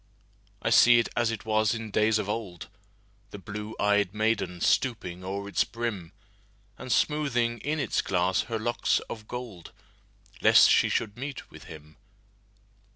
I see it as it was in days of old, The blue ey'd maiden stooping o'er its brim, And smoothing in its glass her locks of gold, Lest she should meet with him.